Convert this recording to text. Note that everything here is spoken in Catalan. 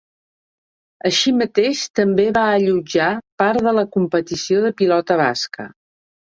Així mateix també va allotjar part de la competició de pilota basca.